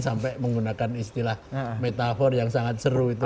sampai menggunakan istilah metafor yang sangat seru itu